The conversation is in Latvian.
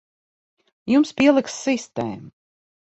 Jums pieliks sistēmu.